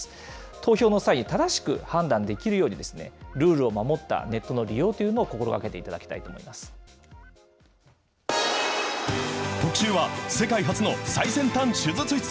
投票の際に正しく判断できるようにですね、ルールを守ったネットの利用というのを心がけていただきたいと思特集は、世界初の最先端手術室。